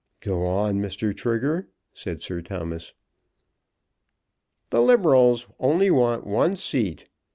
"Go on, Mr. Trigger," said Sir Thomas. "The Liberals only want one seat.